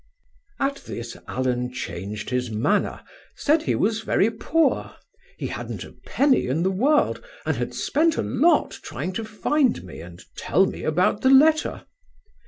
"At this Allen changed his manner, said he was very poor, he hadn't a penny in the world, and had spent a lot trying to find me and tell me about the letter.